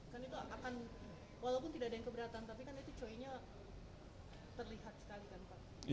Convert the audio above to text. kan itu akan walaupun tidak ada yang keberatan tapi kan itu cueknya terlihat sekali kan pak